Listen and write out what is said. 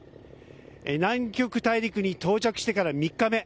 南極大陸に到着してから３日目。